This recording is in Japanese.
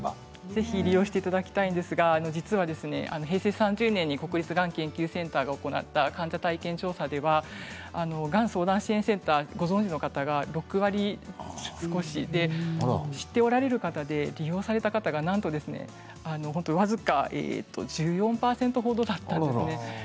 ぜひ利用していただきたいんですが平成３０年に国立がん研究センターが行った患者の体験調査ではがん相談支援センターをご存じの方は６割少しで知っておられる方で利用された方は、なんと僅か１４％程だったんですね。